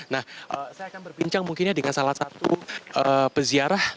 nah saya akan berbincang mungkinnya dengan salah satu peziarah